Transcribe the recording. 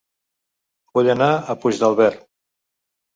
Vull anar a Puigdàlber